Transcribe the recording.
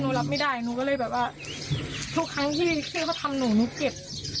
รับไม่ได้หนูก็เลยแบบว่าทุกครั้งที่พี่เขาทำหนูหนูเจ็บ